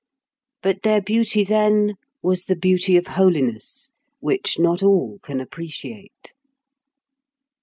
But their beauty then was the beauty of holiness, which not all can appreciate.